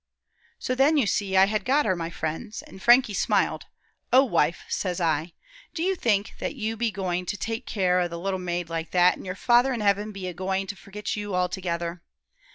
"So, then, you see, I had got her, my friends, and Frankie smiled. 'O wife,' says I, 'do you think that you be going to take care o' the little maid like that an' your Father in heaven be a going to forget you altogether?